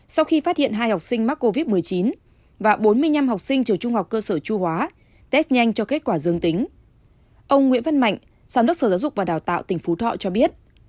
sau khi phát hiện hai học sinh mắc covid một mươi chín và bốn mươi năm học sinh trường trung học cơ sở chu hóa test nhanh cho kết quả dương tính ông nguyễn văn mạnh giám đốc sở giáo dục và đào tạo tỉnh phú thọ cho biết